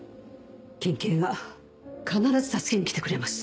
県警が必ず助けに来てくれます。